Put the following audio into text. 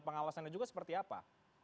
pengawasannya juga seperti apa